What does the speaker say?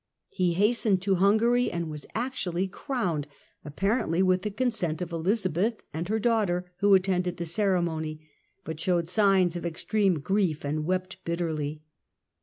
He hastened to Hungary and was actually crowned, apparently with the consent of Elizabeth and her daughter, who attended the ceremony, but showed signs of extreme grief and wept bitterly.